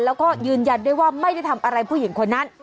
แล้วก็ยืนยันด้วยว่าไม่ได้ทำอะไรผู้หญิงคนนั้น